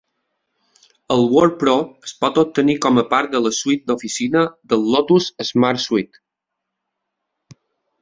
El Word Pro es pot obtenir com a part de la suite d'oficina del Lotus SmartSuite.